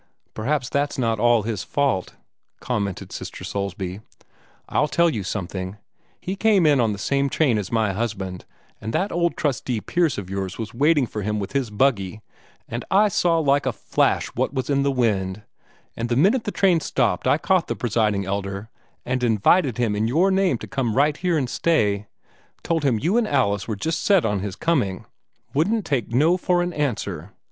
"Perhaps that's not all his fault," commented Sister Soulsby. "I'll tell you something. He came in on the same train as my husband, and that old trustee Pierce of yours was waiting for him with his buggy, and I saw like a flash what was in the wind, and the minute the train stopped I caught the Presiding Elder, and invited him in your name to come right here and stay; told him you and Alice were just set on his coming wouldn't take no for an answer.